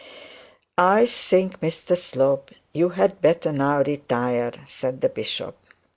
'I think, Mr Slope, you had better now retire,' said the bishop.